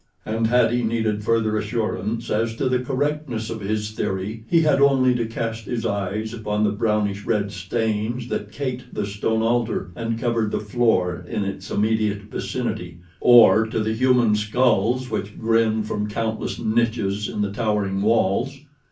And had he needed further assurance as to the correctness of his theory he had only to cast his eyes upon the brownish red stains that caked the stone altar and covered the floor in its immediate vicinity, or to the human skulls which grinned from countless niches in the towering walls.